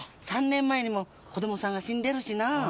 ３年前にも子供さんが死んでるしなぁ。